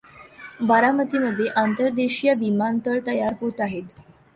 बारामती मध्ये आंतर्देशीय विमानतळ तयार होत आहे.